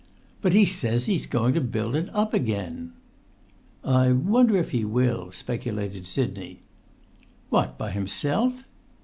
"But he says he's going to build it up again!" "I wonder if he will," speculated Sidney. "What—by himself?"